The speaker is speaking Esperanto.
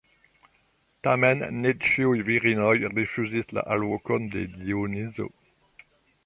Tamen, ne ĉiuj virinoj rifuzis la alvokon de Dionizo.